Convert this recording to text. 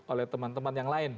oleh teman teman yang lain